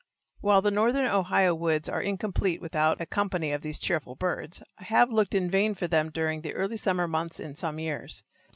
While the northern Ohio woods are incomplete without a company of these cheerful birds, I have looked in vain for them during the early summer months in some years.